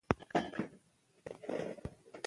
لوستې نجونې د ګډو پروژو تنظيم پياوړې کوي.